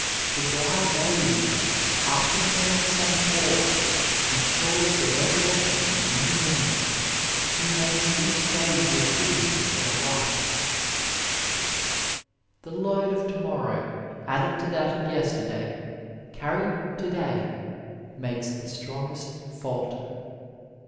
To die daily, after the manner of St. Paul, ensures the resurrection of a new man, who makes each day the epitome of a life. OF LIFE III The load of to morrow, added to that of yesterday, carried to day makes the strongest falter.